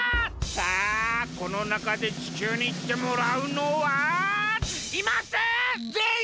さあこのなかで地球にいってもらうのはいません！